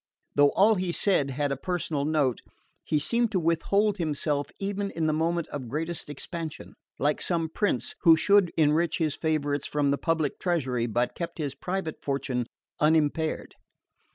Though all he said had a personal note he seemed to withhold himself even in the moment of greatest expansion: like some prince who should enrich his favourites from the public treasury but keep his private fortune unimpaired.